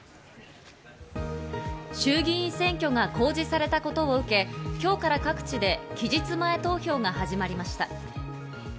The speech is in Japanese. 衆議院選挙が公示されたことを受け、今日から各地で期日前投票が始まりました。